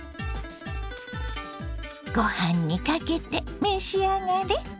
ご飯にかけて召し上がれ。